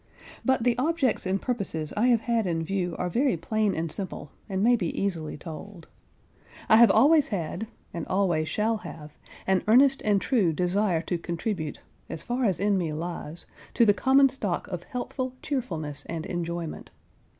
But the objects and purposes I have had in view are very plain and simple, and may be easily told. I have always had, and always shall have, an earnest and true desire to contribute, as far as in me lies, to the common stock of healthful cheerfulness and enjoyment.